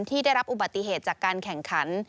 ได้รับอุบัติเหตุจากการแข่งขัน